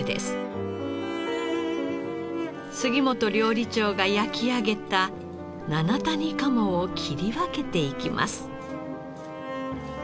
杉本料理長が焼き上げた七谷鴨を切り分けていきます。